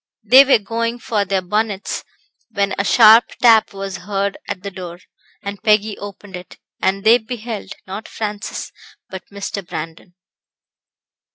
They were going for their bonnets, when a sharp tap was heard at the door, and Peggy opened it, and they beheld, not Francis, but Mr. Brandon.